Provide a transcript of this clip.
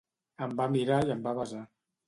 Em va mirar i em va besar.